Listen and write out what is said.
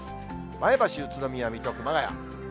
前橋、宇都宮、水戸、熊谷。